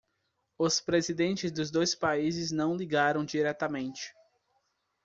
Os presidentes dos dois países não ligaram diretamente.